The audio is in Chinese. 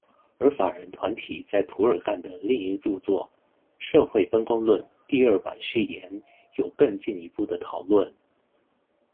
而法人团体在涂尔干的另一着作社会分工论第二版序言有进一步的讨论。